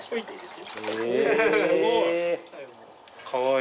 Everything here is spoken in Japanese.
すごい！